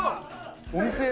お店！